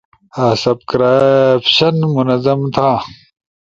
سبکرائبشن منظم تھا